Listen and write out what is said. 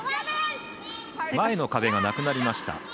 前の壁がなくなりました。